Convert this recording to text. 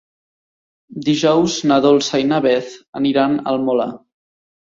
Dijous na Dolça i na Beth aniran al Molar.